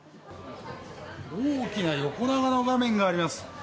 大きな横長の画面があります。